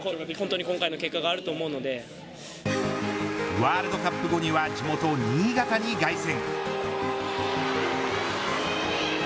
ワールドカップ後には地元、新潟に凱旋。